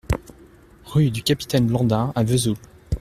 Rue du Capitaine Blandin à Vesoul